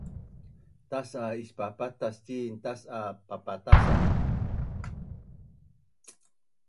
Tas’a ispapatas cin tas’a papatasan